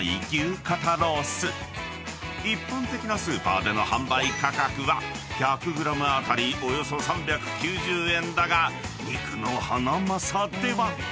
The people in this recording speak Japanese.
［一般的なスーパーでの販売価格は１００ｇ当たりおよそ３９０円だが肉のハナマサでは］